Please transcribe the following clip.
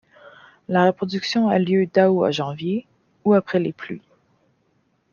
La reproduction a lieu d'août à janvier, ou après les pluies.